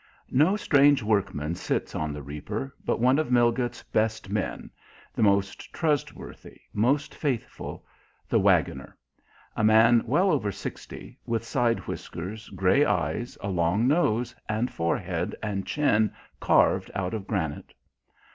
No strange workman sits on the reaper, but one of Milgate's best men, the most trustworthy, most faithful the waggoner; a man well over sixty, with side whiskers, grey eyes, a long nose, and forehead and chin carved out of granite.